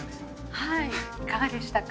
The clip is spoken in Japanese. はいいかがでしたか？